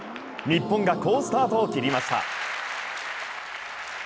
日本が好スタートを切りました。